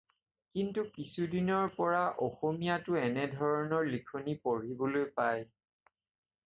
কিন্তু কিছু দিনৰ পৰা অসমীয়াটো এনে ধৰণৰ লিখনি পঢ়িবলৈ পায়।